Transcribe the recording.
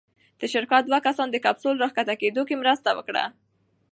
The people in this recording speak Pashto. د شرکت دوه کسان د کپسول راښکته کېدو کې مرسته وکړه.